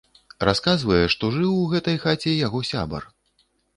Расказвае, што жыў у гэтай хаце яго сябар.